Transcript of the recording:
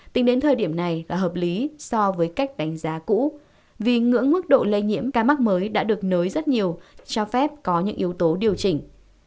tính đến thời điểm này là hợp lý so với cách đánh giá cũ vì ngưỡng mức độ lây nhiễm ca mắc mới đã được nới rất nhiều cho phép có những yếu tố điều chỉnh